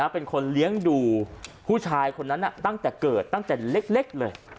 เป็นคนเลี้ยงดูผู้ชายคนนั้นตั้งแต่เกิดตั้งแต่เล็กเลย